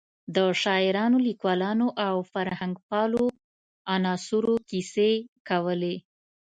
د شاعرانو، لیکوالو او فرهنګپالو عناصرو کیسې کولې.